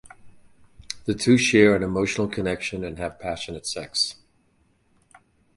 The two share an emotional connection and have passionate sex.